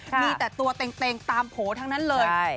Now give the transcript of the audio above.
มีแต่ตัวเต็งตามโผล่ทั้งนั้นเลย